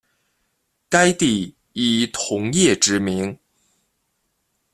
该地以铜业知名。